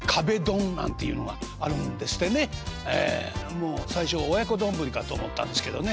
もう最初親子丼かと思ったんですけどね